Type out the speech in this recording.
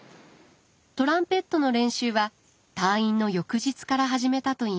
トランペットの練習は退院の翌日から始めたといいます。